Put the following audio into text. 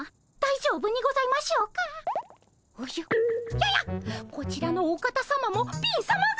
ややっこちらのお方さまも貧さまが。